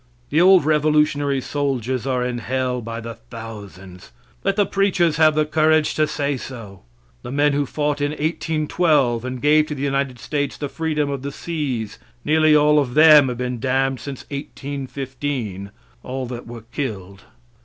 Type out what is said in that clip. The old Revolutionary soldiers are in hell by the thousands. Let the preachers have the courage to say so. The men who fought in 1812, and gave to the United States the freedom of the seas, nearly all of them have been damned since 1815 all that were killed.